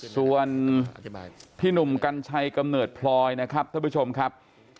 ส่วนพี่หนุ่มกัญชัยกำเนิดพลอยนะครับท่านผู้ชมครับ